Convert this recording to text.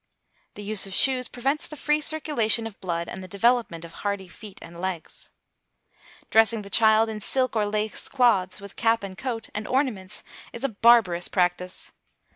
The use of shoes prevents the free circulation of blood and the development of hardy feet and legs. Dressing the child in silk or lace cloths, with cap and coat, and ornaments, is a barbarous practice.